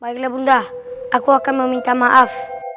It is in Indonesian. baiklah bunda aku akan meminta maaf